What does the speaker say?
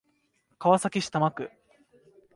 川崎市多摩区